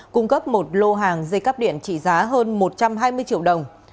cung cấp một lô hàng dây cắp điện trị giá hơn một trăm hai mươi triệu đồng